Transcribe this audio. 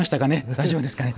大丈夫ですかね？